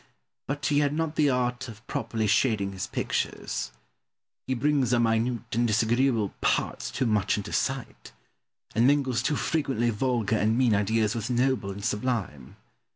But he had not the art of properly shading his pictures. He brings the minute and disagreeable parts too much into sight; and mingles too frequently vulgar and mean ideas with noble and sublime.